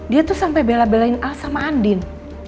dia tuh sampe bela belain al sama andin